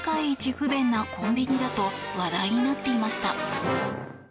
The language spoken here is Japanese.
不便なコンビニだと話題になっていました。